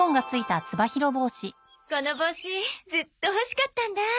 この帽子ずっと欲しかったんだ。